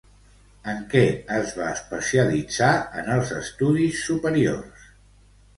En què es va especialitzar en els estudis superiors?